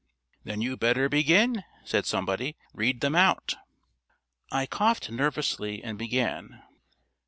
"Then you'd better begin," said somebody. "Read them out." I coughed nervously, and began.